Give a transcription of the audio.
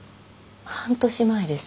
半年前です。